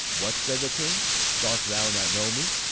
"What," said the king, "dost thou not know me?"